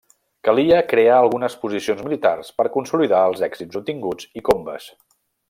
Calia crear algunes posicions militars per consolidar els èxits obtinguts i Combes.